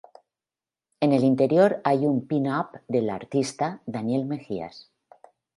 En el interior, hay un pin-up del artista: Daniel Mejías.